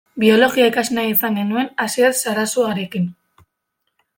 Biologia ikasi nahi izan genuen Asier Sarasuarekin.